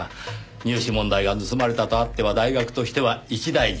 入試問題が盗まれたとあっては大学としては一大事。